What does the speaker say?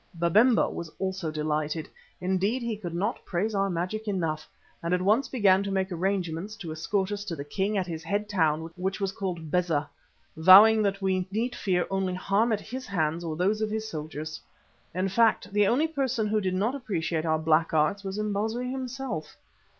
Babemba also was delighted. Indeed, he could not praise our magic enough, and at once began to make arrangements to escort us to the king at his head town, which was called Beza, vowing that we need fear no harm at his hands or those of his soldiers. In fact, the only person who did not appreciate our black arts was Imbozwi himself.